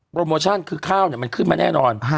โปรโมชั่นคือข้าวเนี่ยมันขึ้นมาแน่นอน